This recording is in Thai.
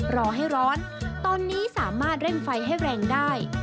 รอให้ร้อนตอนนี้สามารถเร่งไฟให้แรงได้